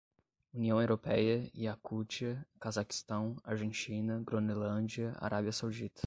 União Europeia, Iacútia, Cazaquistão, Argentina, Gronelândia, Arábia Saudita